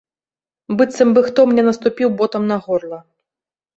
Быццам бы хто мне наступіў ботам на горла.